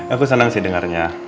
aku senang sih dengarnya